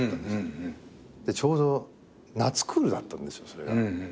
ちょうど夏クールだったんですよそれが。